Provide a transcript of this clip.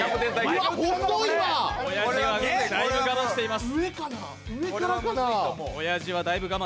おやじは、だいぶ我慢しています。